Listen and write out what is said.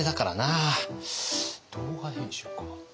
動画編集か。